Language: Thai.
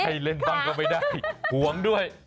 ให้เล่นบ้างก็ไม่ได้ห่วงด้วย